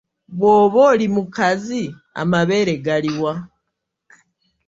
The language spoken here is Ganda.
Bw’oba oli mukazi, amabeere gali wa?